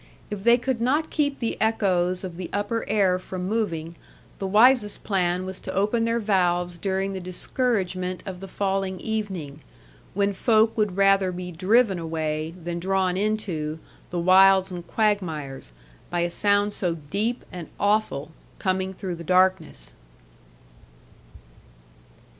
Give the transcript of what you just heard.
If they could not keep the echoes of the upper air from moving, the wisest plan was to open their valves during the discouragement of the falling evening; when folk would rather be driven away, than drawn into the wilds and quagmires, by a sound so deep and awful, coming through the darkness.